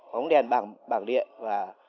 bóng đèn bảng điện và